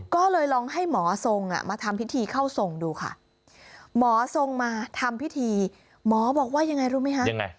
ก็เลยลองให้หมอทรงมาทำพิธีเข้าทรงดูค่ะหมอทรงมาทำพิธีหมอบอกว่ายังไงรู้ไหมคะยังไง